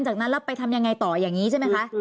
จากนั้นแล้วไปทำยังไงต่ออย่างนี้ใช่ไหมคะ